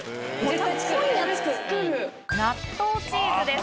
納豆チーズです。